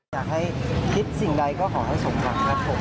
อยากให้คิดสิ่งใดก็ขอให้สมหวังครับผม